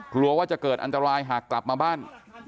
กลัวว่าจะเกิดอันตรายหากกลับมาบ้าน